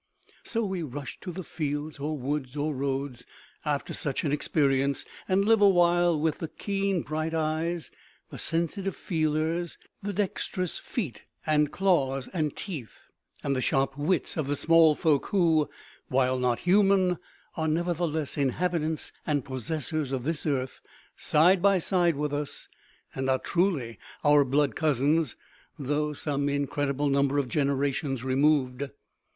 So we rush to the fields or woods or roads after such an experience and live a while with the keen bright eyes, the sensitive feelers, the dexterous feet and claws and teeth, and the sharp wits of the small folk who, while not human, are nevertheless inhabitants and possessors of this earth, side by side with us, and are truly our blood cousins, though some incredible number of generations removed.